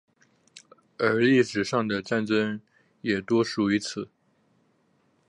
而历史上的战争也多属于此。